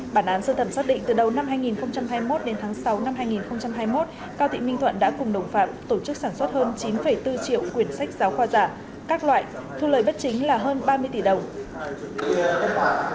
bản án sơ thẩm xác định từ đầu năm hai nghìn hai mươi một đến tháng sáu năm hai nghìn hai mươi một cao thị minh thuận đã cùng đồng phạm tổ chức sản xuất hơn chín bốn triệu quyền sách giáo khoa giả các loại thu lời bất chính là hơn ba mươi tỷ đồng